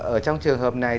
ở trong trường hợp này